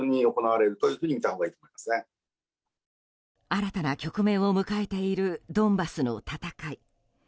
新たな局面を迎えているドンバスの戦い。